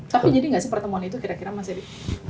tapi jadi nggak sih pertemuan itu kira kira mas erick